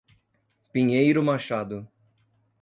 Pinheiro Machado